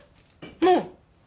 もう？